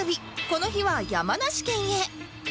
この日は山梨県へ